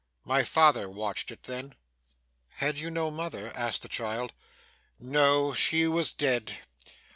My father watched it then.' 'Had you no mother?' asked the child. 'No, she was dead.